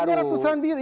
hanya ratusan ribu